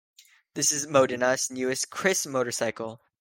This is the Modenas Newest Kriss Motorcycle.